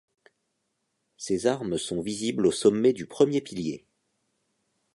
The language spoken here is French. Ses armes sont visibles au sommet du premier pilier.